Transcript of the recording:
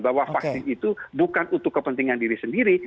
bahwa vaksin itu bukan untuk kepentingan diri sendiri